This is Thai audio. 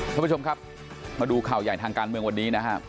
ท่านผู้ชมครับมาดูข่าวใหญ่ทางการเมืองวันนี้นะครับ